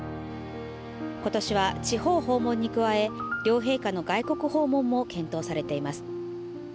今年は地方訪問に加え両陛下の外国訪問も検討されています。